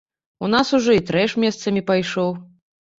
У нас ужо і трэш месцамі пайшоў.